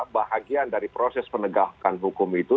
bahagian dari proses penegakan hukum itu